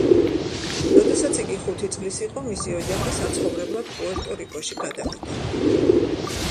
როდესაც იგი ხუთი წლის იყო, მისი ოჯახი საცხოვრებლად პუერტო-რიკოში გადავიდა.